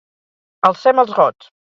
Alcem els gots!